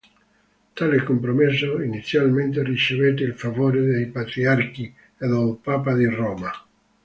Tale compromesso, inizialmente, ricevette il favore dei Patriarchi, e del Papa di Roma.